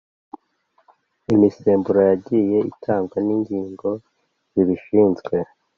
imisemburo yagiye itangwa n’ingingo zibishinzwe ,